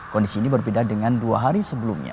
kondisi ini berbeda dengan dua hari sebelumnya